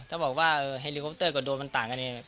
แฮนลิโคปเตอร์กับโดนมันต่างกันเอง